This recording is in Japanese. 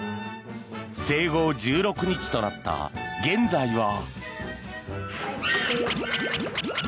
生後１６日となった現在は。